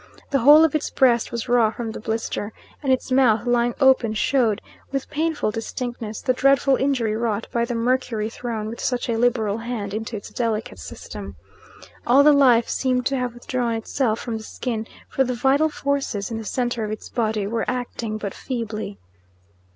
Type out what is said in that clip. The whole of its breast was raw from the blister, and its mouth, lying open, showed, with painful distinctness, the dreadful injury wrought by the mercury thrown, with such a liberal hand, into its delicate system. All the life seemed to have withdrawn itself from the skin; for the vital forces, in the centre of its body, were acting but feebly.